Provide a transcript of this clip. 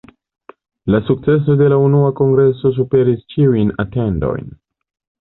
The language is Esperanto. La sukceso de la unua kongreso superis ĉiujn atendojn.